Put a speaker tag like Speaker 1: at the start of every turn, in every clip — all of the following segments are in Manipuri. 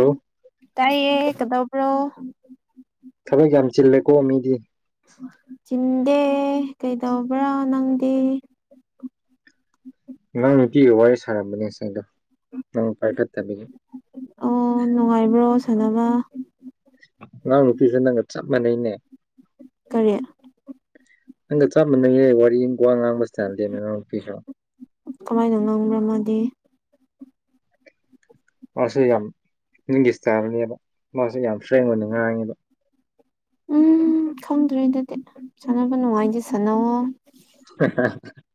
Speaker 1: ꯍꯜꯂꯣ
Speaker 2: ꯇꯥꯏꯌꯦ ꯀꯗꯧꯕ꯭ꯔꯣ
Speaker 1: ꯊꯕꯛ ꯌꯥꯝ ꯆꯤꯜꯂꯦꯀꯣ ꯃꯤꯗꯤ
Speaker 2: ꯆꯤꯟꯗꯦ ꯀꯩꯗꯧꯕ꯭ꯔꯥ ꯅꯪꯗꯤ
Speaker 1: ꯅꯪ ꯅꯨꯄꯤꯒ ꯋꯥꯔꯤ ꯁꯥꯔꯝꯕꯅꯦ ꯉꯁꯥꯏꯗꯣ ꯅꯪ ꯄꯥꯏꯈꯠꯇꯕꯤꯒꯤ
Speaker 2: ꯑꯣ ꯅꯨꯡꯉꯥꯏꯕ꯭ꯔꯣ ꯁꯥꯅꯃ
Speaker 1: ꯑꯉꯥꯡ ꯅꯨꯄꯤꯁꯦ ꯅꯪꯒ ꯆꯞ ꯃꯥꯟꯅꯩꯅꯦ
Speaker 2: ꯀꯔꯤ
Speaker 1: ꯅꯪꯒ ꯆꯞꯃꯥꯅꯩꯌꯦ ꯋꯥꯔꯤ ꯋꯥ ꯉꯥꯡꯕ ꯁꯇ꯭ꯥꯏꯜꯗꯤ ꯅꯅꯥꯎ ꯅꯨꯄꯤꯁꯦ
Speaker 2: ꯀꯃꯥꯏꯅ ꯉꯥꯡꯕ꯭ꯔꯥ ꯃꯥꯗꯤ
Speaker 1: ꯃꯥꯁꯦ ꯌꯥꯝ ꯐꯤꯜꯂꯝꯒꯤ ꯁꯇꯥꯔꯅꯦꯕ ꯃꯥꯁꯦ ꯌꯥꯝ ꯐ꯭ꯔꯦꯡꯀ ꯑꯣꯏꯅ ꯉꯥꯡꯉꯦꯕ
Speaker 2: ꯎꯝ ꯈꯪꯗ꯭ꯔꯦꯗꯨꯗꯤ ꯁꯥꯟꯅꯕ ꯅꯨꯡꯉꯥꯏꯗꯤ ꯁꯥꯟꯅꯋꯣ
Speaker 1: [unintelligible]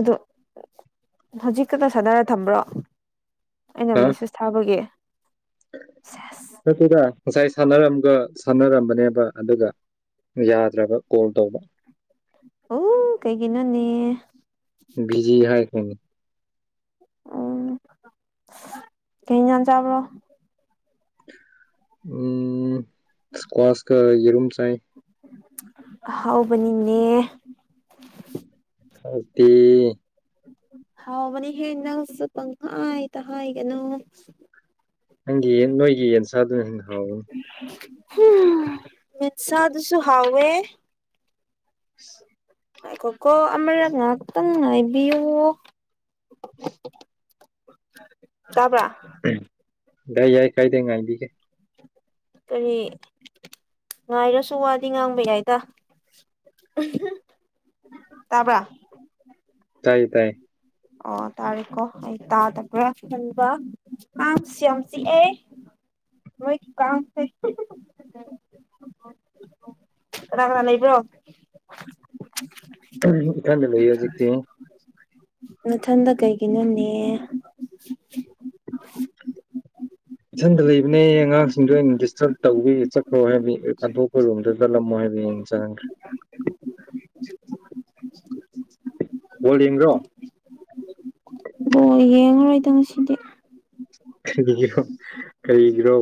Speaker 2: ꯑꯗꯨ ꯍꯧꯖꯤꯛꯈꯛꯇ ꯁꯥꯟꯅꯔ ꯊꯝꯕ꯭ꯔꯣ ꯑꯩꯅ
Speaker 1: ꯍꯥ
Speaker 2: ꯃꯦꯁꯦꯁ ꯊꯥꯕꯒꯤ ꯁꯦꯁ
Speaker 1: ꯅꯠꯇꯦꯗ ꯉꯁꯥꯏ ꯁꯥꯟꯅꯔꯝꯒ ꯁꯥꯟꯅꯔꯝꯕꯅꯦꯕ ꯑꯗꯨꯒ ꯌꯥꯗ꯭ꯔꯕ ꯀꯣꯜ ꯇꯧꯕ
Speaker 2: ꯑꯣ ꯀꯩꯒꯤꯅꯣꯅꯦ
Speaker 1: ꯕꯤꯖꯤ ꯍꯥꯏꯔꯛꯀꯅꯤ
Speaker 2: ꯎꯝ ꯀꯩ ꯏꯟꯖꯥꯡ ꯆꯥꯕ꯭ꯔꯣ
Speaker 1: ꯎꯝ ꯑꯁꯀꯥ ꯌꯦꯔꯨꯝ ꯆꯥꯏ
Speaker 2: ꯑꯍꯥꯎꯕꯅꯤꯅꯦ
Speaker 1: ꯍꯥꯎꯇ‌ꯦ
Speaker 2: ꯍꯥꯎꯕꯅꯤꯍꯦ ꯅꯪꯁꯨ ꯄꯪꯍꯥꯏꯗ ꯍꯥꯏꯒꯅꯨ
Speaker 1: ꯅꯪꯒꯤ ꯅꯣꯏꯒꯤ ꯌ‌ꯦꯟ ꯆꯥꯗꫭꯏꯅꯤ ꯍꯥꯎꯕꯅꯤ
Speaker 2: ꯃꯤꯁꯥ ꯑꯗꯨꯁꯨ ꯍꯥꯎꯋꯦ ꯉꯥꯏꯈꫭꯀꫭ ꯑꯃꯥ ꯉꯥꯏꯍꯥꯛꯇꯪ ꯉꯥꯏꯕꯤꯌꯨ ꯇꯥꯕ꯭ꯔꯥ
Speaker 1: ꯌꯥꯏ ꯌꯥꯏ ꯀꯥꯏꯗꯦ ꯉꯥꯏꯕꯤꯒꯦ
Speaker 2: ꯀꯔꯤ ꯉꯥꯏꯔꯁꯨ ꯋꯥꯗꯤ ꯉꯥꯡꯕ ꯌꯥꯏꯗ ꯇꯥꯕ꯭ꯔꯥ
Speaker 1: ꯇꯥꯏ ꯇꯥꯏ
Speaker 2: ꯑꯣ ꯇꯥꯔꯦꯀꯣ ꯑꯩ ꯇꯥꯗꯕ꯭ꯔꯥꯕ ꯈꯟꯕꯥ ꯑꯁ ꯌꯥꯝ ꯆꯤꯑꯦ ꯑꯣꯏꯣꯏ ꯀꯁ [unintelligible] ꯀꯗꯥ ꯀꯅꯥ ꯂꯩꯕ꯭ꯔꯣ
Speaker 1: ꯏꯊꯟꯗ ꯂꯩꯌꯦ ꯍꯧꯖꯤꯛꯇꯤ
Speaker 2: ꯅꯊꯟꯗ ꯀꯩꯒꯤꯅꯣꯅꯦ
Speaker 1: ꯏꯊꯟꯗ ꯂꯩꯕꯅꯦ ꯑꯉꯥꯡꯁꯤꯡꯗꯣ ꯑꯩꯅ ꯗꯤꯁꯇꯔꯕ ꯇꯧꯕꯋꯤ ꯍꯣꯏ ꯍꯥꯏꯕꯤ ꯑꯇꯣꯞꯄ ꯔꯨꯝꯝꯗ ꯆꯠꯂꯝꯃꯣ ꯍꯥꯏꯕꯤ ꯌꯦꯡ ꯆꯒ꯭ꯔꯦ
Speaker 2: ꯇꯥꯗꯔꯦ [unintelligible]
Speaker 1: ꯕꫭꯜ ꯌꯦꯡ꯭ꯗꯔꯣ
Speaker 2: ꯕꫭꯜ ꯌꯦꯡꯉꯔꯣꯏꯗ ꯉꯁꯤꯗꯤ
Speaker 1: ꯀꯔꯤꯒꯤꯔꫭ ꯀꯔꯤꯒꯤ꯭ꯔꯣ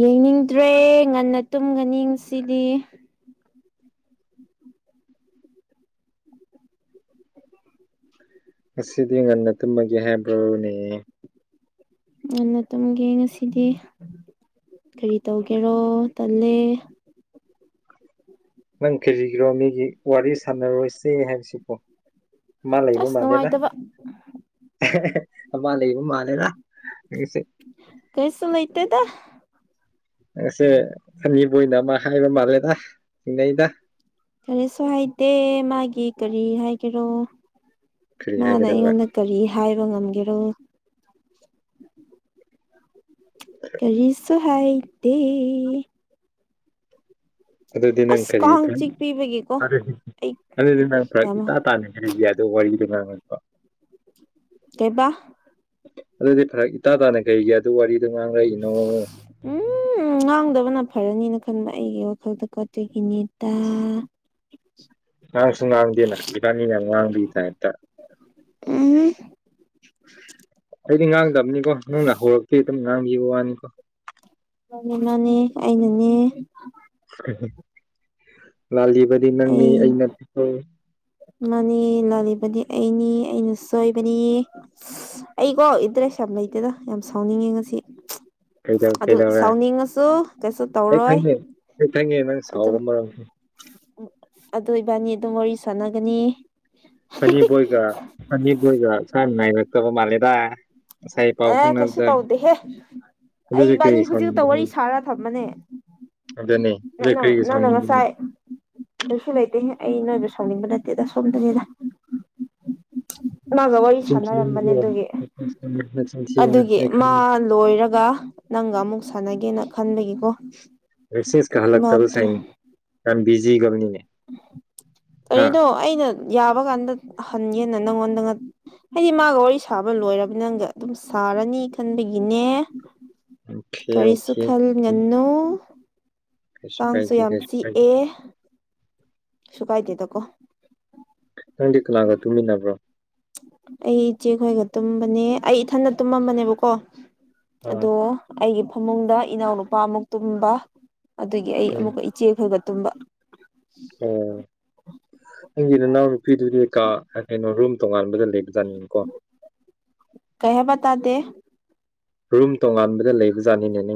Speaker 2: ꯌꯦꯡꯅꯤꯡꯗ꯭ꯔꯦ ꯉꯟꯅ ꯇꯨꯝꯒꯅꯤ ꯉꯁꯤꯗꯤ
Speaker 1: ꯉꯁꯤꯗꯤ ꯉꯟꯅ ꯇꯨꯝꯃꯒꯦ ꯍꯥꯏꯕ꯭ꯔꯣꯅꯦ
Speaker 2: ꯉꯟꯅꯥ ꯇꯨꯝꯒ‌ꯦ ꯉꯁꯤꯗꯤ ꯀꯔꯤ ꯇꯧꯒꯦꯔꯣ ꯇꯜꯂꯦ
Speaker 1: ꯅꯪ ꯀꯔꯤꯒꯤꯔꯣ ꯃꯤꯒꯤ ꯋꯥꯔꯤ ꯁꯥꯟꯅꯔꯣꯏꯁꯦ ꯍꯥꯏꯕꯁꯤꯕꯣ ꯃꯥꯂꯩꯕ
Speaker 2: ꯑꯁ
Speaker 1: ꯃꯥꯜꯂ‌ꯦꯅ
Speaker 2: ꯅꯨꯡꯉꯥꯏꯇꯕ
Speaker 1: ꯑꯃ ꯂꯩꯕ ꯃꯥꯜꯂꯦꯗ ꯅꯪꯒꯤꯁ‌ꯦ
Speaker 2: ꯀꯩꯁꯨ ꯂꯩꯏꯇꯦꯗ
Speaker 1: ꯉꯁꯦ ꯁꯅꯤꯕꯣꯏꯅ [unintelligible] ꯑꯃ ꯍꯥꯏꯕ ꯃꯥꯜꯂꯦꯗ ꯆꯤꯡꯅꯩꯗ
Speaker 2: ꯀꯔꯤꯁꯨ ꯍꯥꯏꯗꯦ ꯃꯥꯒꯤ ꯀꯔꯤ ꯍꯥꯏꯒꯦꯔꯣ
Speaker 1: ꯀꯔꯤ
Speaker 2: ꯃꯥꯅ
Speaker 1: ꯍꯥꯏꯒꯗꯧꯕ
Speaker 2: ꯑꯩꯉꯣꯟꯗ ꯀꯔꯤ ꯍꯥꯏꯕ ꯉꯝꯒꯦꯔꯣ ꯀꯔꯤꯁꯨ ꯍꯥꯏꯗꯦ
Speaker 1: ꯑꯗꯨꯗꯤ ꯅꯪ
Speaker 2: ꯑꯁ
Speaker 1: ꯀꯔꯤ
Speaker 2: ꯀꯥꯡ ꯆꯤꯛꯄꯤꯕꯒꯤꯀꯣ
Speaker 1: ꯐꯔ
Speaker 2: ꯑꯩ
Speaker 1: ꯑꯗꯨꯗꯤ ꯅꯪ ꯐꯔꯛ
Speaker 2: ꯌꯥꯝ
Speaker 1: ꯏꯇꯥ ꯇꯥꯅꯤ ꯑꯗꯨꯗꯤ [unintelligible] ꯋꯥꯔꯤꯔ
Speaker 2: ꯀꯩꯕꯥ
Speaker 1: ꯑꯗꯨꯗꯤ ꯐꯔꯛ ꯏꯇꯥ ꯇꯥꯅ ꯀꯩꯒꯤ ꯑꯗꯨ ꯋꯥꯔꯤꯗꯨ ꯉꯥꯡꯂꯛꯏꯅꯣ
Speaker 2: ꯎꯝ ꯉꯥꯡꯗꯕꯅ ꯐꯔꯅꯤꯅ ꯈꯟꯕ ꯑꯩꯒꯤ ꯋꯥꯈꯜꯗ ꯑꯗꯨꯒꯤꯅꯤ ꯗꯥ
Speaker 1: ꯉꯥꯡꯁꯨ ꯉꯥꯡꯗꯦꯅ ꯏꯄꯥꯅꯤꯅ ꯌꯥꯝ ꯉꯥꯡꯕꯒꯤ ꯇꯥꯏꯞꯇꯥ
Speaker 2: ꯎꯝ
Speaker 1: ꯑꯩꯗꯤ ꯉꯥꯡꯗꯕꯅꯤꯀꯣ ꯅꯪꯅ ꯍꯧꯔꯛꯄꯩ ꯑꯗꯨꯝ ꯉꯥꯡꯕꯤꯈꯤꯕ ꯋꯥꯅꯤꯀꯣ
Speaker 2: ꯃꯥꯟꯅꯤ ꯃꯥꯟꯅꯤ ꯑꯩꯅꯅꯦ
Speaker 1: ꯂꯥꯜꯂꯤꯕꯗꯤ ꯅꯪꯅꯤ
Speaker 2: ꯑꯩ
Speaker 1: ꯑꯩꯅ
Speaker 2: ꯃꯥꯅꯦ ꯂꯥꯜꯂꯤꯕꯅꯤ ꯑꯩꯅꯤ ꯑꯩꯅ ꯁꯣꯏꯕꯅꯤ ꯑꯩꯀꯣ ꯏꯟꯗ꯭ꯔꯦꯁ ꯌꯥꯝ ꯂꯩꯇꯦꯗ ꯌꯥꯝ ꯁꯥꯎꯅꯤꯡꯉꯦ ꯉꯁꯤ
Speaker 1: ꯀꯩꯗꯧ
Speaker 2: ꯑꯗꯨ
Speaker 1: ꯀꯩꯗꯧꯔꯦ
Speaker 2: ꯁꯥꯎꯅꯤꯡꯉꯁꯨ ꯀꯩꯁꯨ
Speaker 1: ꯑꯩ
Speaker 2: ꯇꯧꯔꯣꯏ
Speaker 1: ꯈꯪꯉꯦ ꯑꯩ ꯈꯪꯉꯦ ꯅꯪ
Speaker 2: ꯑꯗꯨꯝ
Speaker 1: [inaudible]
Speaker 2: ꯑꯗꯨ ꯏꯕꯥꯅꯤ ꯑꯗꯨꯝ ꯋꯥꯔꯤ ꯁꯥꯟꯅꯒꯅꯤ
Speaker 1: ꯑꯅꯤꯕꯣꯏꯒ ꯑꯅꯤꯕꯣꯏꯒ ꯁꯅ ꯅꯥꯏꯔꯛꯇꯕ ꯃꯥꯜꯂꯦꯗ ꯉꯁꯥꯏ ꯄꯥꯎ
Speaker 2: ꯑꯦ ꯀꯩꯁꯨ
Speaker 1: ꯐꯥꯎꯅꯕꯗ
Speaker 2: ꯇꯧꯗꯦꯍꯦ ꯑꯩ
Speaker 1: ꯑꯗꯨꯗꯤ ꯀꯔꯤꯒꯤ
Speaker 2: ꯏꯕꯥꯅꯤ ꯍꯧꯖꯤꯛꯇ ꯋꯥꯔꯤ
Speaker 1: ꯁꯥꯎꯅꯤꯡꯕꯅꯣ
Speaker 2: ꯁꯥꯔ ꯊꯝꯕꯅꯦ
Speaker 1: ꯑꯗꯨꯅꯦ ꯑꯗꯨ
Speaker 2: ꯅꯪ
Speaker 1: ꯀꯔꯤꯒꯤ
Speaker 2: ꯅꯪꯟꯅ
Speaker 1: ꯁꯥꯎꯅꯤꯡꯕꯅꯣ
Speaker 2: ꯉꯁꯥꯏ ꯀꯁꯨ ꯂꯩꯇꯦ ꯑꯩ ꯅꯣꯏꯁꯨ ꯁꯥꯎꯅꯤꯡꯕ ꯅꯠꯇꯦꯗ ꯁꯣꯝꯗꯕꯤꯗ ꯀꯅꯥꯒ ꯋꯥꯔꯤ
Speaker 1: ꯅꯆꯤꯟ
Speaker 2: ꯁꯥꯟꯅꯔꯝꯕꯅꯦ
Speaker 1: ꯊꯤꯒꯅꯨꯀꯣ
Speaker 2: ꯑꯗꯨꯒꯤ
Speaker 1: ꯅꯆꯤꯟ ꯊꯤꯒꯅꯨ ꯅꯆꯤꯟ ꯊꯤꯒꯅꯨ
Speaker 2: ꯑꯗꯨꯒꯤ
Speaker 1: ꯑꯩ
Speaker 2: ꯃꯥ
Speaker 1: ꯈꯪꯉꯤ
Speaker 2: ꯂꯣꯏꯔꯒ ꯅꯪꯒ ꯑꯃꯨꯛ ꯁꯥꯟꯅꯒꯦꯅ ꯈꯟꯕꯒꯤꯀꯣ
Speaker 1: ꯔꯤꯁꯤꯡꯁ ꯀꯥ ꯍꯜꯂꯛꯇꯕ
Speaker 2: ꯃꯥꯗꯣ
Speaker 1: ꯁꯥꯏꯩꯅ ꯌꯥꯝ ꯕꯤꯖꯤꯒꯅꯤꯅꯦ
Speaker 2: ꯀꯔꯤꯗꯣ ꯑꯩꯅ ꯌꯥꯕ ꯀꯥꯟꯗ ꯍꯟꯒꯦꯅ ꯅꯪꯉꯣꯟꯗ ꯍꯥꯏꯗꯤ ꯃꯥꯒ ꯋꯥꯔꯤ ꯁꯥꯕ ꯂꯣꯏꯔꯕ ꯅꯪꯒ ꯑꯗꯨꯝ ꯁꯥꯔꯅꯤ ꯈꯟꯕꯒꯤꯅꯦ
Speaker 1: ꯑꯣꯀꯦ
Speaker 2: ꯀꯔꯤꯁꯨ
Speaker 1: ꯑꯣꯀꯦ
Speaker 2: ꯈꯜ
Speaker 1: ꯎꯝ
Speaker 2: ꯉꯟꯅꯨ
Speaker 1: ꯀꯩꯁꯨ
Speaker 2: ꯀꯥꯡꯁꯨ
Speaker 1: ꯀꯥꯏꯗꯦ
Speaker 2: ꯌꯥꯝ
Speaker 1: ꯀꯩꯁꯨ ꯀꯥꯏꯗꯦ
Speaker 2: ꯆꯤꯛꯑꯦ ꯁꯨ ꯀꯥꯏꯇꯦ ꯇ ꯀꯣ
Speaker 1: ꯅꯪꯗꯤ ꯀꯅꯥꯥꯡꯒ ꯇꯨꯃꯤꯟꯅꯕ꯭ꯔꯣ
Speaker 2: ꯑꯩ ꯏꯆꯦ ꯈꯣꯏꯒ ꯇꯨꯝꯕꯅꯦ ꯑꯩ ꯏꯊꯟꯗ ꯇꯨꯝꯃꯝꯕꯅꯦꯕꯀꯣ
Speaker 1: ꯑꯥ
Speaker 2: ꯑꯗꯣ ꯑꯩꯒꯤ ꯐꯃꯨꯡꯗ ꯏꯅꯥꯎꯅꯨꯄꯥ ꯑꯃꯨꯛ ꯇꯨꯝꯕ ꯑꯗꯨꯗꯒꯤ ꯑꯩ
Speaker 1: ꯎꯝ
Speaker 2: ꯑꯃꯨꯛꯀ ꯆꯦꯛꯈ ꯍꯕ ꯇꯨꯝꯕ
Speaker 1: ꯑꯣ ꯅꯪꯒꯤ ꯅꯅꯥꯎꯅ ꯅꯨꯄꯤꯗꯨꯗꯤ ꯀꯥ ꯀꯩꯅꯣ ꯔꯨꯝ ꯇꯣꯉꯥꯟꯕꯗ ꯂꯩ ꯖꯅꯤꯡ ꯀꯣ
Speaker 2: ꯀꯩ ꯍꯥꯏꯕ ꯇꯥꯗꯦ
Speaker 1: ꯔꯨꯝ ꯇꯣꯉꯥꯟꯕꯗ ꯂꯩꯕ ꯖꯥꯅꯤꯅꯦꯅꯦ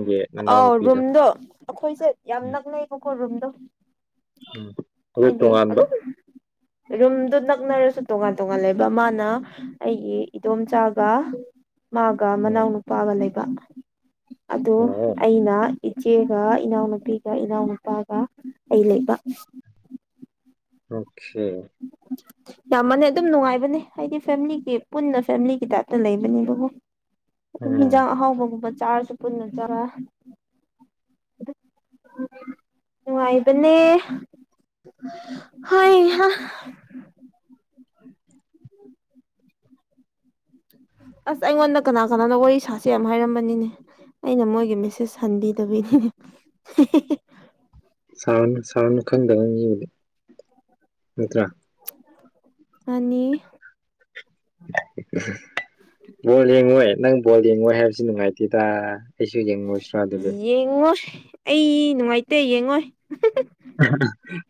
Speaker 2: ꯑꯥꯎ ꯔꯨꯝꯗꯣ ꯑꯩꯈꯣꯏꯁꯦ ꯌꯥꯝ
Speaker 1: ꯎꯝ
Speaker 2: ꯅꯛꯅꯩꯌꯦꯕꯀꯣ ꯔꯨꯝꯗꯣ
Speaker 1: ꯎꯝ ꯑꯗꯨ ꯇꯣꯉꯥꯟꯕ
Speaker 2: [inaudible] ꯔꯨꯝꯗꯨ ꯅꯛꯅꯔꯁꯨ ꯇꯣꯉꯥꯟ ꯇꯣꯉꯥꯟ ꯂꯩꯕ ꯃꯥꯅ ꯑꯩꯒꯤ ꯏꯗꯣꯝꯆꯥꯒ ꯃꯥꯒ
Speaker 1: ꯎꯝ
Speaker 2: ꯃꯅꯥꯎꯅꯨꯄꯥꯒ ꯂꯩꯕ ꯑꯗꯨ
Speaker 1: ꯑꯣ
Speaker 2: ꯑꯩꯅ ꯏꯆꯦꯒ ꯏꯅꯥꯎꯅꯨꯄꯤꯒ ꯏꯅꯥꯎꯅꯨꯄꯥꯒ ꯑꯩ ꯂꯩꯕ
Speaker 1: ꯔꯣꯈꯦ
Speaker 2: [inaudible] ꯌꯥꯝꯃꯥꯟꯂꯩ ꯑꯗꯨꯝ ꯅꯨꯡꯉꯥꯏꯕꯅꯦ ꯍꯥꯏꯗꯤ ꯐꯦꯃꯤꯂꯤꯒꯤ ꯄꯨꯟꯅ ꯐꯦꯃꯤꯂꯤꯒꯤ ꯇꯥꯏꯞꯇ ꯂꯩꯕꯅꯦꯕꯕꯨ ꯑꯗꯨꯝ
Speaker 1: ꯎꯝ
Speaker 2: ꯍꯤꯟꯖꯥꯡ ꯑꯍꯥꯎꯕꯒꯨꯝꯕ ꯆꯥꯔꯁꯨ ꯄꯨꯟꯅ ꯆꯥꯔꯥ ꯅꯨꯡꯉꯥꯏꯕꯅꯦ ꯍꯣꯏꯍꯥ [inaudible] ꯑꯁ ꯑꯩꯉꯣꯟꯗ ꯀꯅꯥ ꯀꯅꯥꯅ ꯋꯥꯔꯤ ꯁꯥꯁꯦ ꯑꯃ ꯍꯥꯏꯔꯝꯕꯅꯤꯅꯦ ꯑꯩꯅ ꯃꯣꯏꯒꯤ ꯃꯦꯁꯦꯁ ꯍꯟꯕꯤꯗꯕꯤꯅꯤꯅꯦ
Speaker 1: ꯁꯅ ꯁꯥꯎꯔꯅꯨ ꯈꯪꯗꯕ ꯅꯠꯇ꯭ꯔꯥ
Speaker 2: ꯑꯅꯤ
Speaker 1: ꯕꯣꯜ ꯌꯦꯡꯉꯣꯏ ꯅꯪ ꯕꯣꯜ ꯌꯦꯡꯉꯣꯏ ꯍꯥꯏꯕꯁꯤ ꯅꯨꯡꯉꯥꯏꯇꯦꯗ ꯑꯩꯁꯨ ꯌꯦꯡꯉꯨꯁꯤꯔꯥ ꯑꯗꯨꯗꯤ
Speaker 2: ꯌꯦꯡꯉꯣꯏ ꯑꯩ ꯅꯨꯡꯉꯥꯏꯇꯦ ꯌꯦꯡꯉꯣꯏ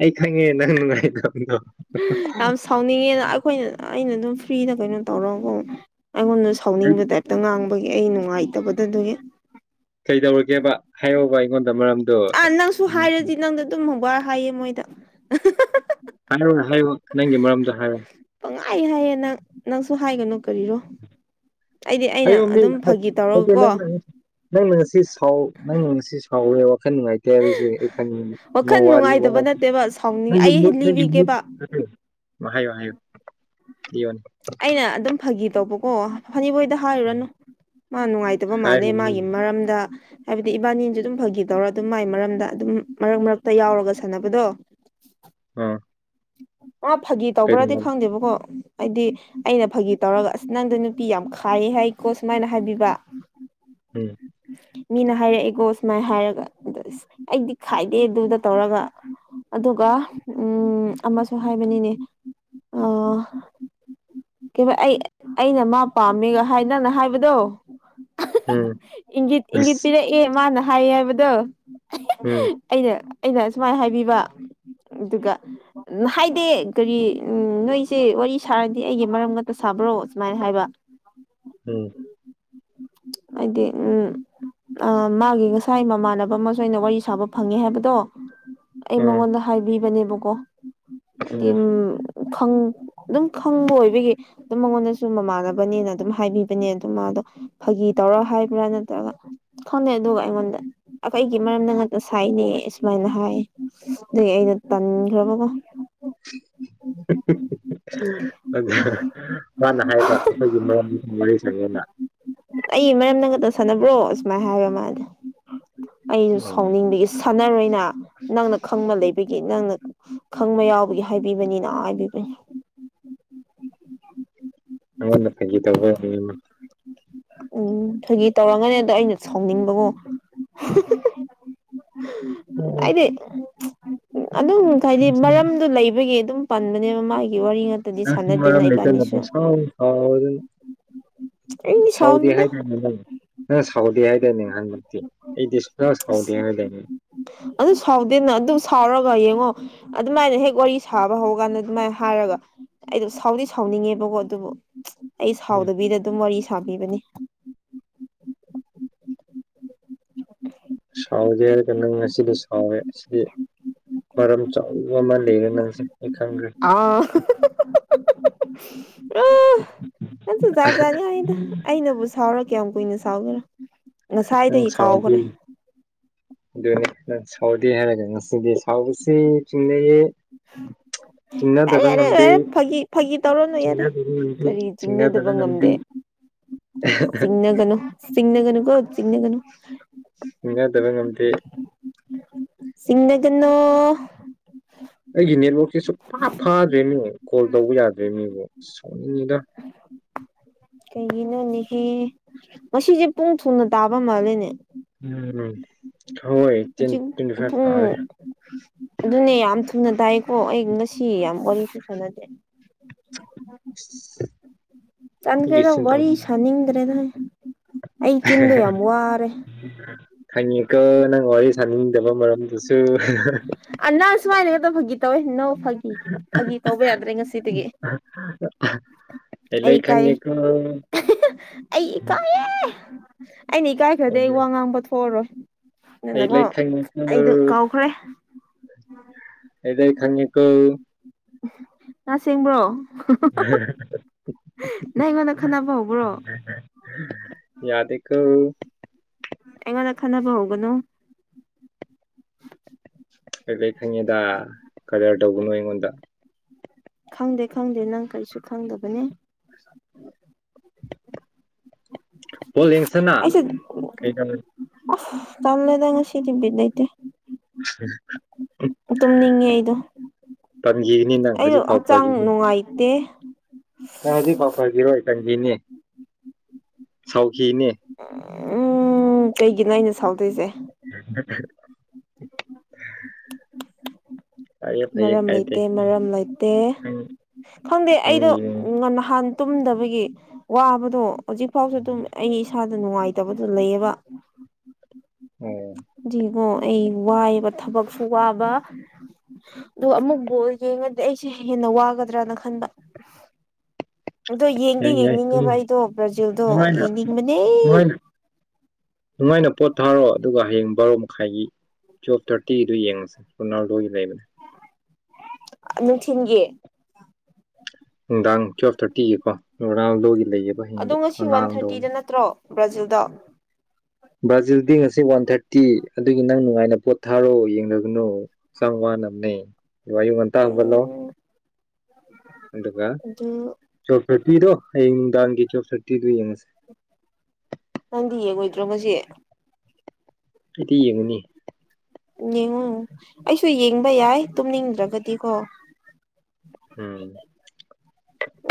Speaker 1: ꯑꯩ ꯈꯪꯉꯦ ꯅꯪ ꯅꯨꯡꯉꯥꯏꯇꯕꯗ‌ꯣ
Speaker 2: ꯌꯥꯝ ꯁꯥꯎꯅꯤꯡꯉꯦꯅ ꯑꯩꯈꯣꯏꯅ ꯑꯩꯅ ꯑꯗꯨꯝ ꯐ꯭ꯔꯤꯗ ꯀꯩꯅꯣ ꯇꯧꯔꯒꯀ‌ꯣ ꯑꯩꯉꯣꯟꯗ ꯁꯥꯎꯅꯤꯡꯕ ꯗꯥꯏꯞ ꯇ ꯉꯥꯡꯕꯒꯤ ꯑꯩ ꯅꯨꯡꯉꯥꯏꯇꯕꯗ‌ꯣ ꯗꯨꯒꯤ
Speaker 1: ꯀꯩꯗꯧꯔꯒꯦꯕ ꯍꯥꯏꯌ‌ꯣꯕ ꯑꯩꯉꯣꯟꯗ ꯃꯔꯝ
Speaker 2: ꯑꯥ ꯅꯪꯁꯨ ꯍꯥꯏꯔꯗꯤ ꯅꯪꯗ‌ꯣ ꯑꯗꯨꯝ [unintelligible] ꯕꯥꯔ ꯍꯥꯏꯌꯦ ꯃꯣꯏꯗ
Speaker 1: ꯀꯥꯟꯅꯔꯣꯏ ꯍꯥꯏꯌꯣ ꯅꯪꯒꯤ ꯃꯔꯝꯗꯣ ꯍꯥꯏꯌ‌ꯣ
Speaker 2: ꯄꯪꯍꯥꯏ ꯍꯥꯏꯌꯦ ꯅꯪ ꯅꯪꯁꯨ ꯍꯥꯏꯒꯅꯨ ꯀꯔꯤꯔꯣ ꯑꯩꯗꯤ ꯑꯩꯅ
Speaker 1: ꯑꯩꯌꯣ ꯃꯤ
Speaker 2: ꯑꯗꯨꯝ ꯐꯥꯒꯤ
Speaker 1: ꯑꯣꯀꯦ
Speaker 2: ꯇꯧꯔꯒꯀꯣ
Speaker 1: ꯅꯪꯅ ꯅꯪꯅ ꯉꯁꯤ ꯁꯥꯎ ꯅꯪꯅ ꯉꯁꯤ ꯁꯥꯎꯋꯦ ꯋꯥꯈꯟ ꯅꯨꯡꯉꯥꯏ ꯇꯦ ꯍꯥꯏꯕꯁꯦ ꯑꯩ
Speaker 2: ꯋꯥꯈꯜ
Speaker 1: ꯈꯪꯉ‌ꯦ ꯋꯥꯔꯤ
Speaker 2: ꯅꯨꯡꯉꯥꯏꯇꯕ ꯅꯠꯇꯦꯕ
Speaker 1: [unintelligible]
Speaker 2: ꯁꯥꯎꯅꯤꯡ
Speaker 1: ꯅꯪꯒꯤ
Speaker 2: ꯑꯩ
Speaker 1: ꯃꯨꯠ ꯅꯪꯒꯤ ꯃꯨꯠ
Speaker 2: ꯂꯤꯕꯤꯒꯦꯕ
Speaker 1: ꯎꯝ ꯍꯥꯏꯌ‌ꯣ ꯍꯥꯏꯌ‌ꯣ ꯂꯤꯌ‌ꯣꯟ
Speaker 2: ꯑꯩꯅ ꯑꯗꯨꯝ ꯐꯥꯒꯤ ꯇꯧꯕꯀꯣ ꯐꯅꯤ [unintelligible] ꯗ ꯍꯥꯏꯔꯨꯔꯅꯨ ꯃꯥ ꯅꯨꯡꯉꯥꯏꯇꯕ ꯃꯥꯜꯂꯦ
Speaker 1: ꯍꯥꯏꯔꯣ
Speaker 2: ꯃꯥꯒꯤ
Speaker 1: ꯅꯪ
Speaker 2: ꯃꯔꯝꯗ ꯍꯥꯏꯕꯗꯤ ꯏꯕꯥꯅꯤꯖꯤꯁꯨꯝ ꯐꯒꯤꯗꯧꯔꯥ ꯑꯗꯨꯝ ꯃꯥꯏ ꯃꯔꯝꯗ ꯑꯗꯨꯝ ꯃꯔꯛ ꯃꯔꯛꯇ ꯌꯥꯎꯔꯒ ꯁꯥꯟꯅꯕꯗꯣ
Speaker 1: ꯑꯥ
Speaker 2: ꯃꯥ ꯐꯥꯒꯤ ꯇꯧꯕ꯭ꯔꯥꯗꯤ
Speaker 1: ꯀꯩꯅꯣ
Speaker 2: ꯈꯪꯗꯦꯕꯀꯣ ꯑꯩꯗꯤ ꯑꯩꯅ ꯐꯥꯒꯤ ꯇꯧꯔꯒ ꯑꯁ ꯅꯪꯗ‌ꯣ ꯅꯨꯄꯤ ꯌꯥꯝ ꯈꯥꯏ ꯍꯥꯏꯀꯣ ꯁꯨꯃꯥꯏꯅ ꯍꯥꯏꯕꯤꯕ [unintelligible]
Speaker 1: ꯎꯝ
Speaker 2: ꯃꯤꯅ ꯍꯥꯏꯔꯛꯏꯒꯣ ꯁꯨꯃꯥꯏ ꯍꯥꯏꯔꯒ ꯑꯗ ꯑꯁ ꯑꯩꯗꯤ ꯈꯥꯏꯗꯦ ꯑꯗꯨꯗ ꯇꯧꯔꯒ ꯑꯗꯨꯒ ꯎꯝ ꯑꯃꯁꯨ ꯍꯥꯏꯕꯅꯤꯅꯦ ꯑꯥ ꯀꯩꯕ ꯑꯩ ꯑꯩꯅ ꯃꯥ ꯄꯥꯝꯃꯦꯒ ꯍꯥꯏ ꯅꯪꯅ ꯍꯥꯏꯕꯗꯣ
Speaker 1: ꯎꯝ
Speaker 2: ꯏꯪꯒꯤꯠ ꯏꯪꯒꯤꯠ
Speaker 1: ꯑꯁ
Speaker 2: ꯄꯤꯔꯛꯑꯦ ꯃꯥꯅ ꯍꯥꯏꯌꯦ ꯍꯥꯏꯕꯗꯣ
Speaker 1: ꯎꯝ
Speaker 2: ꯑꯩꯅ ꯑꯩꯅ ꯁꯨꯃꯥꯏꯅ ꯍꯥꯏꯕꯤꯕ ꯑꯗꯨꯒ ꯎ ꯍꯥꯏꯗꯦ ꯀꯔꯤ ꯎꯝ ꯅꯣꯏꯁꯦ ꯋꯥꯔꯤ ꯁꯥꯔꯗꯤ ꯑꯩꯒꯤ ꯃꯔꯝ ꯉꯛꯇ ꯁꯥꯕ꯭ꯔꯣ ꯁꯨꯃꯥꯏꯅ ꯍꯥꯏꯕ
Speaker 1: ꯎꯝ
Speaker 2: ꯑꯩꯗꯤ ꯎꯝ ꯑ ꯃꯥꯒꯤ ꯉꯁꯥꯏ ꯃꯃꯥꯟꯅꯕ ꯑꯃꯁꯨ ꯑꯩꯅ ꯋꯥꯔꯤ ꯁꯥꯕ ꯐꯪꯉꯦ ꯍꯥꯏꯕꯗꯣ ꯑꯩ
Speaker 1: ꯎꯝ
Speaker 2: ꯃꯉꯣꯟꯗ ꯍꯥꯏꯕꯤꯕꯅꯦꯕꯀꯣ ꯑꯩꯗꯤ ꯎꯝ ꯈꯪ ꯑꯗꯨꯝ ꯈꯪꯕ ꯑꯣꯏꯕꯒꯤ ꯑꯗꯨꯝ ꯃꯉꯣꯟꯗꯁꯨ ꯃꯃꯥꯟꯅꯕꯅꯦꯅ ꯑꯗꯨꯝ ꯍꯥꯏꯕꯤꯕꯅꯦ ꯑꯗꯨꯝ ꯃꯥꯗꯣ ꯐꯥꯒꯤ ꯇꯧꯔ ꯍꯥꯏꯕ꯭ꯔꯥ ꯅꯠꯇ꯭ꯔꯒ ꯈꯪꯗ‌ꯦ ꯑꯗꯨꯒ ꯑꯩꯉꯣꯟꯗ ꯑꯩꯈꯣꯏꯒꯤ ꯃꯔꯝꯗ ꯉꯥꯇ ꯁꯥꯏꯅꯦ ꯁꯨꯃꯥꯏꯅ ꯍꯥꯏ ꯑꯗꯨꯒꯤ ꯑꯩꯗ‌ꯣ ꯇꯟꯈ꯭ꯔꯕꯀꯣ [unintelligible]
Speaker 1: [unintelligible] ꯑꯗꯨ ꯃꯥꯅ ꯍꯥꯏꯕ ꯑꯩꯈꯣꯏꯒꯤ ꯃꯔꯝ ꯋꯥꯔꯤ ꯁꯥꯟꯅꯩꯅ
Speaker 2: ꯑꯩ ꯃꯔꯝꯗ ꯉꯇ ꯁꯥꯟꯅꯕ꯭ꯔꯣ ꯁꯨꯃꯥꯏꯅ ꯍꯥꯏꯕ ꯃꯥꯗ‌ꯣ ꯑꯩꯁꯨ
Speaker 1: ꯑꯪ
Speaker 2: ꯁꯥꯎꯅꯤꯡꯕꯒꯤ ꯁꯥꯟꯅꯔꯣꯏꯅ ꯅꯪꯅ ꯈꯪꯕ ꯂꯩꯕꯒꯤ ꯅꯪꯅ ꯈꯪꯕ ꯌꯥꯎꯕꯒꯤ ꯍꯥꯏꯕꯤꯕꯅꯤꯅ ꯍꯥꯏꯕꯤꯕꯅꯤ
Speaker 1: ꯅꯉꯣꯟꯗ ꯐꯒꯤ ꯇꯧꯕ [unintelligible]
Speaker 2: ꯎꯝ ꯐꯒꯤ ꯇꯧꯔꯝꯒꯅꯤ ꯑꯗꯣ ꯑꯩꯅ ꯁꯥꯎꯅꯤꯡꯕꯒꯣ [unintelligible] ꯑꯩꯗꯤ ꯑꯗꯨꯝ ꯍꯥꯏꯗꯤ ꯃꯔꯝꯗꯨ ꯂꯩꯕꯒꯤ ꯑꯗꯨꯝ ꯄꯟꯕꯅꯦꯕ ꯃꯥꯥꯏꯒꯤ ꯋꯥꯔꯤ ꯉ
Speaker 1: ꯅꯪꯁꯨ ꯃꯔꯝ ꯂꯩꯇꯅ ꯄꯨꯡꯁꯥꯎ ꯁꯥꯎ [unintelligible]
Speaker 2: ꯑꯩꯗꯤ
Speaker 1: ꯁꯥꯎꯗꯤ ꯍꯥꯏ
Speaker 2: ꯁꯥꯎꯅꯨꯗ
Speaker 1: [unintelligible] ꯅꯪ ꯁꯥꯎꯗꯦ ꯍꯥꯏꯗꯣꯏꯅꯦ ꯑꯍꯟꯃꯛꯇꯤ ꯑꯩꯗꯤ ꯁ ꯁꯥꯎꯗꯦ
Speaker 2: ꯑꯁ
Speaker 1: ꯍꯥꯏꯗꯥꯏꯅꯤ
Speaker 2: ꯑꯗꯨ ꯁꯥꯎꯗꯦꯅ ꯑꯗꯨ ꯁꯥꯎꯔꯒ ꯌꯦꯡꯉꯣ ꯑꯗꯨꯃꯥꯏꯅ ꯍꯦꯛ ꯋꯥꯔꯤ ꯁꯥꯕ ꯍꯧꯔꯀꯥꯟꯗ ꯑꯗꯨꯃꯥꯏꯅ ꯍꯥꯏꯔꯒ ꯑꯩꯗꯣ ꯁꯥꯎꯗꯤ ꯁꯥꯎꯅꯤꯡꯉꯦꯕꯀꯣ ꯑꯗꯨꯕꯨ ꯑꯩ
Speaker 1: ꯎꯝ
Speaker 2: ꯁꯥꯎꯗꯕꯤꯗ ꯑꯗꯨꯝ ꯋꯥꯔꯤ ꯁꯥꯕꯤꯕꯅꯦ
Speaker 1: ꯁꯥꯎꯒꯦ ꯍꯥꯏꯔꯒ ꯅꯪ ꯉꯁꯤꯗꯤ ꯁꯥꯎꯋꯦ ꯑꯁꯤꯗꯤ ꯃꯔꯝ ꯆꯧ ꯑꯃ ꯂꯩꯒꯅꯁꯤ
Speaker 2: ꯑꯥ ꯑ ꯀꯁꯨꯖꯥꯠ ꯖꯥꯠꯅꯤ ꯍꯥꯏꯅ ꯑꯩꯅꯕꯨ ꯁꯥꯎꯔ ꯀꯌꯥꯝ ꯀꯨꯏꯅ ꯁ ꯁꯥꯎꯅꯤ
Speaker 1: ꯅꯡ ꯁꯥꯎꯗꯤ ꯑꯗꯨ ꯁꯥꯎꯗꯦ ꯍꯥꯏꯔꯒꯦ ꯉꯁꯤꯗꯤ ꯁꯥꯎꯕꯁꯤ ꯆꯤꯡꯅꯌꯦ
Speaker 2: [inaudible] ꯌꯥꯔꯦ ꯌꯥꯔꯦꯔꯦ ꯐꯥꯒꯤ ꯐꯥꯒꯤ ꯇꯧꯔꯅꯨ ꯌꯥꯔꯦ ꯀꯔꯤ ꯆꯤꯡꯅꯗꯕ ꯉꯝꯗꯦ ꯁꯤꯡꯅꯒꯅꯨ ꯁꯤꯡꯅꯒꯅꯨ ꯀꯣ ꯁꯤꯡꯤꯡꯅꯒꯅꯨ
Speaker 1: ꯅꯤꯡꯅꯗꯕ ꯉꯝꯗꯦ
Speaker 2: ꯁꯤꯡꯅꯒꯅꯣ
Speaker 1: ꯑꯩꯒꯤ ꯅꯦꯠꯋꯔꯥꯛꯛꯁꯦ ꯁꯨ ꯄ ꯐꯥꯗ꯭ꯔꯦ ꯃꯤ ꯀꯣꯜ ꯇꯧꯕ ꯌꯥꯗ꯭ꯔꯦ ꯃꯤꯕꯨ ꯁꯣꯛꯅꯤꯡꯉꯤꯗ
Speaker 2: [inaudible] ꯀꯩꯒꯤꯅꯣꯅꯦꯍꯦ ꯉꯁꯤꯁꯦ ꯄꯨꯡ ꯊꯨꯅ ꯇꯥꯕ ꯃꯥꯜꯂꯦꯅꯦ
Speaker 1: ꯎꯝ ꯍꯣꯏ
Speaker 2: ꯍꯧꯖꯤꯛ
Speaker 1: ꯇ꯭ꯋꯦꯟꯇꯤ ꯐꯏꯞ
Speaker 2: ꯄꯨꯡ
Speaker 1: ꯇꯥꯔꯦ
Speaker 2: ꯑꯗꯨꯅꯦ ꯌꯥꯝ ꯊꯨꯅ ꯇꯥꯏꯀꯣ ꯑꯩ ꯉꯁꯤ ꯌꯥꯝ ꯋꯥꯔꯤꯁꯨ ꯁꯥꯟꯅꯗꯦ
Speaker 1: [inaudible] ꯑꯩꯒꯤ
Speaker 2: ꯆꯟꯈ꯭ꯔꯦꯗ
Speaker 1: ꯁꯤꯟꯐꯝ
Speaker 2: ꯋꯥꯔꯤ ꯁꯥꯅꯤꯡꯗ꯭ꯔꯦꯗ ꯑꯩ ꯆꯤꯟꯗꯣ ꯌꯥꯝ ꯋꯥꯔꯦ
Speaker 1: [inaudible] ꯍꯪꯉꯦꯀ ꯅꯪ ꯋꯥꯔꯤ ꯁꯥꯅꯤꯡꯗꯕ ꯃꯔꯝꯗꯨꯁꯨ
Speaker 2: ꯑ ꯅ ꯁꯨꯃꯥꯏꯅ ꯈꯛꯇ ꯐꯥꯒꯤ ꯇꯧꯋꯦ ꯅꯧ ꯐꯥꯒꯤ ꯐꯥꯒꯤ ꯇꯧꯕ ꯌꯥꯗ꯭ꯔꯦ ꯉꯁꯤꯗꯒꯤ
Speaker 1: ꯑꯦꯂ
Speaker 2: ꯑꯩ ꯏꯀꯥꯏꯌꯦ
Speaker 1: ꯈꯪꯉꯤꯀꫭ
Speaker 2: ꯑꯩ ꯏꯀꯥꯏ ꯑꯩꯅ ꯏꯀꯥꯏꯈ꯭ꯔꯗꯤ ꯑꯩ ꯋꯥ ꯉꯥꯡꯕ ꯊꯣꯛꯑꯔꯣꯏ
Speaker 1: ꯑꯩ
Speaker 2: ꯅꯅꯀꯣ
Speaker 1: ꯂꯣꯏ ꯈꯪꯉꯦꯀꯣ
Speaker 2: ꯑꯩꯗꯨ ꯀꯥꯎꯈ꯭ꯔꯦ
Speaker 1: ꯑꯦꯗ ꯈꯪꯅꯤꯀꫭ
Speaker 2: ꯉ ꯁꯦꯡꯕ꯭ꯔꯣ ꯅꯪ ꯑꯩꯉꯣꯟꯗ ꯈꯟꯅꯕ ꯍꯧꯕ꯭ꯔꯣ
Speaker 1: ꯌꯥꯗꯦꯀꯣ
Speaker 2: ꯑꯩꯉꯣꯟꯗ ꯈꯟꯅꯕ ꯍꯧꯒꯅꯨ
Speaker 1: ꯀꯩ ꯀꯩ ꯈꯪꯉꯦꯗ ꯀꯗꯔ ꯇꯧꯕꯅꯣ ꯑꯩꯉꯣꯟꯗ
Speaker 2: ꯈꯪꯗꯦ ꯈꯪꯗꯦ ꯅꯪ ꯀꯔꯤꯁꯨ ꯈꯪꯗꯕꯅꯤ [inaudible]
Speaker 1: ꯕꯣꯜ ꯌꯦꯡꯁꯤꯅ
Speaker 2: ꯑꯩꯁ
Speaker 1: ꯀꯩꯅꯣ
Speaker 2: ꯑꯁ ꯇꯜꯂꯦꯗꯥ ꯉꯥ ꯁꯤꯗꯤꯕꯗꯩꯇ ꯇꯨꯝꯅꯤꯡꯉꯦ ꯑꯩꯗꯣ
Speaker 1: ꯄꯟꯈꯤꯒꯅꯤ ꯅꯪ
Speaker 2: ꯑꯩꯗꯣ
Speaker 1: ꯍꯧꯖꯤꯛ ꯐꯥꯎ
Speaker 2: ꯍꯛꯆꯥꯡ
Speaker 1: ꯐꯈꯤꯅꯤ
Speaker 2: ꯅꯨꯡꯉꯥꯏꯇꯦ
Speaker 1: [unintelligible] ꯐꯈꯤꯔꯣꯏ ꯀꯟꯈꯤꯅꯦ ꯁꯥꯎꯈꯤꯅꯦ
Speaker 2: ꯎꯝ ꯀꯩꯒꯤꯅꯣ ꯑꯩꯅ ꯁꯥꯎꯗꯣꯏꯁꯦ
Speaker 1: [inaudible] ꯐꯩꯌꯦ ꯐꯩꯌꯦ
Speaker 2: ꯃꯔꯝ
Speaker 1: ꯀꯥꯏꯗꯦ
Speaker 2: ꯂꯩꯇꯦ ꯃꯔꯝ ꯂꯩꯇꯦ
Speaker 1: ꯅꯪ
Speaker 2: ꯈꯪꯗꯦ
Speaker 1: ꯅꯪ
Speaker 2: ꯑꯩꯗꯣ
Speaker 1: ꯌꯦꯡ
Speaker 2: ꯅꯍꯥꯟ ꯇꯨꯝꯗꯕꯒꯤ ꯋꯥꯕꯗꯣ ꯍꯧꯖꯤꯛ ꯐꯥꯎꯁꯨ ꯑꯗꯨꯝ ꯑꯩ ꯏꯁꯥꯗ ꯅꯨꯡꯉꯥꯏꯇꯕꯗꯨꯣ ꯂꯩꯌꯦꯕ
Speaker 1: ꯎꯝ
Speaker 2: ꯗꯤꯒꯣ ꯑꯩ ꯋꯥꯏꯑꯕ ꯊꯕꯛꯁꯨ ꯋꯥꯕ ꯑꯗꯨ ꯑꯃꯨꯛ ꯕꯣꯜ ꯌꯦꯡꯉꯗꯤ ꯑꯩꯁꯦ ꯍꯦꯟꯅ ꯋꯥꯒꯗ꯭ꯔꯅ ꯈꯟꯕ ꯑꯗꯣ ꯌꯦꯡꯗꯤ
Speaker 1: ꯌꯥꯏ ꯌꯥꯏ
Speaker 2: ꯌꯦꯡꯅꯤꯡꯉꯦꯕ ꯑꯩꯗꯣ ꯕ꯭ꯔꯥꯖꯤꯜꯗꯣ
Speaker 1: ꯅꯨꯡꯉꯥꯏꯅ
Speaker 2: ꯌꯦꯡꯅꯤꯡꯕꯅꯦ
Speaker 1: ꯅꯨꯡꯉꯥꯏꯅ ꯅꯨꯡꯉꯥꯏꯅ ꯄꯣꯠ ꯊꯥꯔꯣ ꯑꯗꯨꯒ ꯍꯌꯦꯡ ꯕꯥꯔꯣ ꯃꯈꯥꯏꯒꯤ ꯇꯨꯏꯐ ꯊꯥꯔꯇꯤꯗꯨ ꯌꯦꯡꯉꯁꯦ ꯔꯣꯅꯥꯜꯗꯣꯒꯤ ꯂꯩꯕꯅꯦ
Speaker 2: ꯅꯨꯡꯊꯤꯟꯒꯤ
Speaker 1: ꯅꯨꯡꯗꯥꯡ ꯇꯨꯋꯦꯜꯐ ꯊꯥꯔꯇꯤꯒꯤꯀꯣ ꯔꯣꯂꯥꯜꯗꯣꯒꯤ ꯂꯩꯌꯦꯕ
Speaker 2: ꯑꯗꯣ
Speaker 1: ꯍꯌꯦꯡꯗꯤ
Speaker 2: ꯉꯁꯤ ꯋꯥꯟ
Speaker 1: ꯔꯣꯅꯥꯜꯗꯣ
Speaker 2: ꯊꯥꯔꯇꯤꯗ ꯅꯠꯇ꯭ꯔꯣ ꯕ꯭ꯔꯥꯖꯤꯜꯗ
Speaker 1: ꯕ꯭ꯔꯥꯖꯤꯜꯗꯤ ꯉꯁꯤ ꯋꯥꯟ ꯊꯥꯔꯇꯤ ꯑꯗꯨꯒꯤ ꯅꯪ ꯅꯨꯡꯉꯥꯏꯅ ꯄꯣꯠ ꯊꯥꯔꯛ ꯌꯦꯡꯅꯒꯅꯨ ꯍꯛꯆꯥꯡ ꯋꯥꯅꯕꯅꯦ ꯋꯥꯌꯨ ꯉ
Speaker 2: ꯎꯝ
Speaker 1: [unintelligible] ꯑꯗꯨꯒ
Speaker 2: ꯑꯗꯨ
Speaker 1: ꯆꯣꯞ ꯁꯔꯇꯤꯗꯣ ꯑꯩ ꯅꯨꯡꯗꯥꯡꯒꯤ ꯆꯣꯞ ꯁꯇꯤꯗꯨ ꯌꯦꯡꯉꯁꯦ
Speaker 2: ꯅꯪꯗꯤ ꯌꯦꯡꯉꯣꯏꯗ꯭ꯔꯣ ꯉꯁꯦ
Speaker 1: ꯑꯩꯗꯤ ꯌꯦꯡꯉꯅꯤ
Speaker 2: ꯌꯦꯡꯉꯨ ꯑꯩꯁꯨ ꯌꯦꯡꯕ ꯌꯥꯏ ꯇꯨꯝꯅꯤꯡꯗ꯭ꯔꯒꯗꯤꯀꯣ [inaudible]
Speaker 1: ꯎꯝ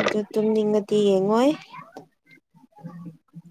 Speaker 2: ꯑꯗꯨ ꯇꯨꯅꯤꯡꯉꯗꯤ ꯌꯦꯡꯉꯣꯏ